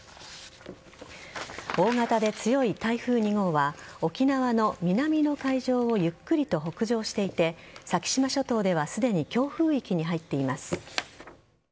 大型で強い台風２号は沖縄の南の海上をゆっくりと北上していて先島諸島ではすでに強風域に入っています。